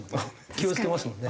気を付けますもんね。